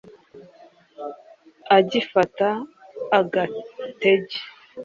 Agifata agatege